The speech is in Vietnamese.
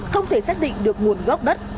không thể xác định được nguồn gốc đất